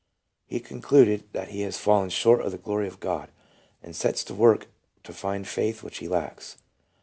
" He concludes that he has " fallen short of the glory of God," and sets to work to find the Faith which he lacks.